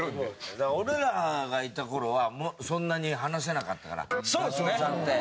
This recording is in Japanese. だから俺らがいた頃はそんなに話せなかったからダチョウさんって。